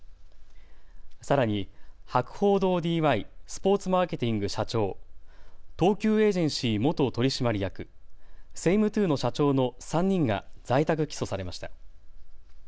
さらに博報堂ＤＹスポーツマーケティング社長、東急エージェンシー元取締役、セイムトゥーの社長の３人が在宅起訴されました。